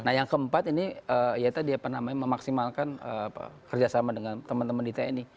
nah yang keempat ini yaitu dia namanya memaksimalkan kerjasama dengan teman teman di tni